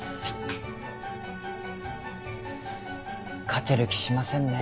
勝てる気しませんね。